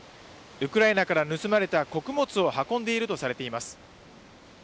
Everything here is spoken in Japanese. ウクライナから盗まれた穀物を運んでいるとされています。